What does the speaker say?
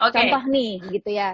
contoh nih gitu ya